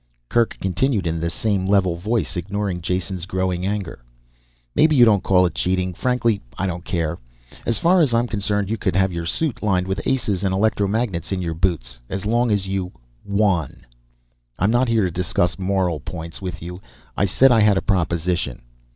Kerk continued in the same level voice, ignoring Jason's growing anger. "Maybe you don't call it cheating, frankly I don't care. As far as I'm concerned you could have your suit lined with aces and electromagnets in your boots. As long as you won. I'm not here to discuss moral points with you. I said I had a proposition.